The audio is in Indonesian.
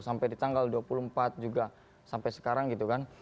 sampai di tanggal dua puluh empat juga sampai sekarang gitu kan